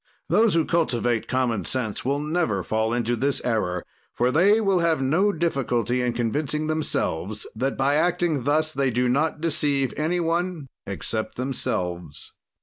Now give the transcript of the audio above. Those who cultivate common sense will never fall into this error, for they will have no difficulty in convincing themselves that by acting thus they do not deceive any one except themselves.